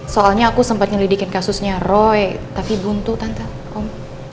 soalnya aku sempat nyelidikin kasusnya roy tapi buntu tante om